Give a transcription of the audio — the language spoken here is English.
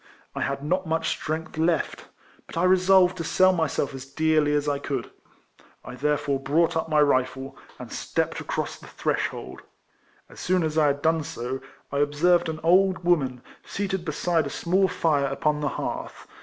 I had not much strength left; but I resolved to sell myself as dearly as I could. I therefore brought up my rifle, and stepped across the threshold. As soon as I had done so, 1 observed an old woman seated beside a small fire upon the hearth.